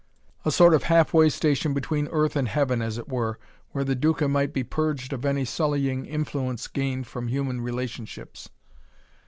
A sort of halfway station between earth and heaven, as it were, where the Duca might be purged of any sullying influence gained from human relationships.